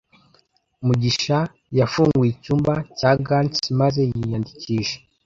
mugisha yafunguye icyumba cya gants maze yiyandikisha